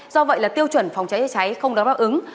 do vậy là tiêu chuẩn phòng cháy cháy không đáp ứng